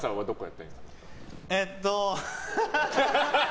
えっと。